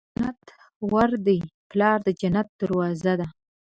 پلار د جنت ور دی. پلار د جنت دروازه ده